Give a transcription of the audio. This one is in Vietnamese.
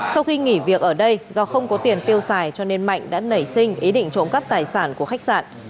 sau khi nghỉ việc ở đây do không có tiền tiêu xài cho nên mạnh đã nảy sinh ý định trộm cắp tài sản của khách sạn